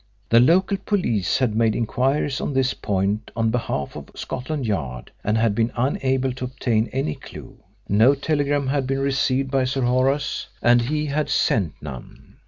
The local police had made inquiries on this point on behalf of Scotland Yard, and had been unable to obtain any clue. No telegram had been received by Sir Horace, and he had sent none.